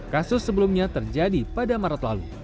kasus sebelumnya terjadi pada maret lalu